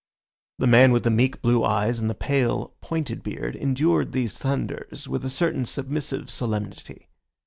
The man with the meek blue eyes and the pale, pointed beard endured these thunders with a certain submissive solemnity.